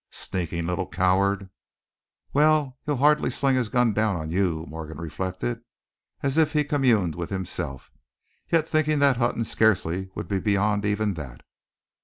"Sneaking little coward!" "Well, he'll hardly sling his gun down on you," Morgan reflected, as if he communed with himself, yet thinking that Hutton scarcely would be beyond even that.